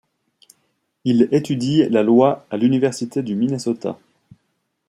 Il étudie la loi à l'université du Minnesota.